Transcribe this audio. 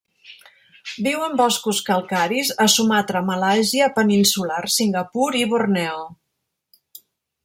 Viu en boscos calcaris a Sumatra, Malàisia peninsular Singapur i Borneo.